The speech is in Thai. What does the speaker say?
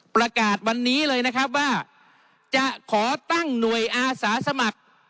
ประกาศวันนี้เลยนะครับว่าจะขอตั้งหน่วยอาสาสมัคร